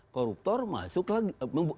koruptor masuk lagi